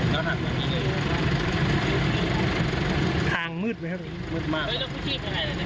แล้วถังเหมือนกันเลย